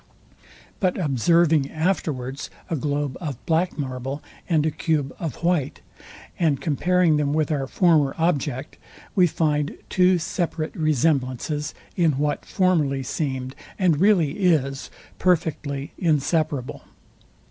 But observing afterwards a globe of black marble and a cube of white, and comparing them with our former object, we find two separate resemblances, in what formerly seemed, and really is, perfectly inseparable.